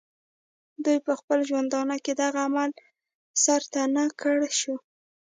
دوي پۀ خپل ژوندانۀ دغه عمل سر ته نۀ کړے شو